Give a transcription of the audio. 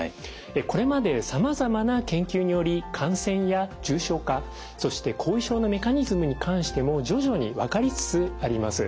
これまでさまざまな研究により感染や重症化そして後遺症のメカニズムに関しても徐々に分かりつつあります。